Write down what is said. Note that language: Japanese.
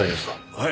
はい。